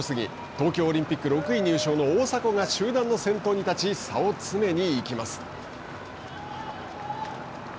東京オリンピック６位入賞の大迫が集団の先頭に立ち差を詰めに行きます。